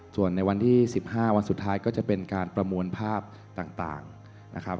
ส่วนในวันที่๑๕วันสุดท้ายก็จะเป็นการประมวลภาพต่างนะครับ